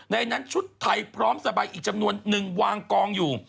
ในนั้นชุดไทยพร้อมสบายอีกจำนวนหนึ่งวางกองอยู่